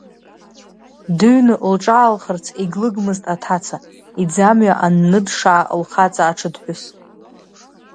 Дыҩны лҿаалхарц егьлыгмызт аҭаца, иӡамҩа анныдшаа лхаҵа-аҽадҳәыс.